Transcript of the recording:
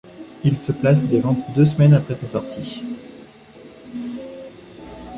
Il se place des ventes deux semaines après sa sortie.